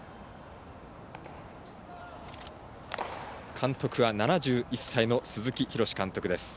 監督は７１歳の鈴木博識監督です。